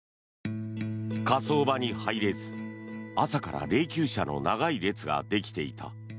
火葬場に入れず朝から霊きゅう車の長い列ができていた。